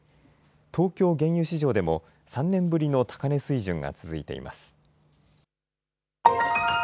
東京原油市場でも３年ぶりの高値水準が続いています。